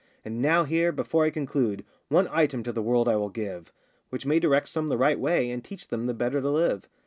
And now here, before I conclude, One item to the world I will give, Which may direct some the right way, And teach them the better to live.